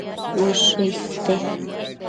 Ushë iste